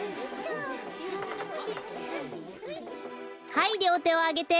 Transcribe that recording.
はいりょうてをあげて。